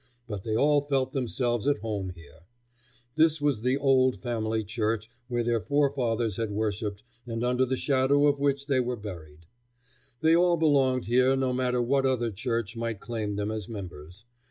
But they all felt themselves at home here. This was the old family church where their forefathers had worshiped, and under the shadow of which they were buried. They all belonged here no matter what other church might claim them as members.